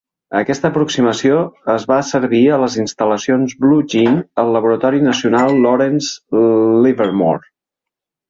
Aquesta aproximació es va servir a les instal·lacions Blue Gene al laboratori nacional Lawrence Livermore.